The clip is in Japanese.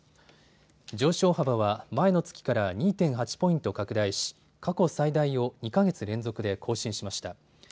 上昇幅は前の月から２．８ポイント拡大し、過去最大を２か月連続で更新しました。